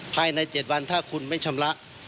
ภายใน๗วันถ้าคุณไม่ชำระ